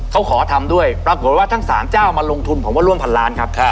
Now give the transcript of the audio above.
เขาขอทำด้วยปรากฏว่าทั้ง๓เจ้ามาลงทุนผมว่าร่วมพันล้านครับ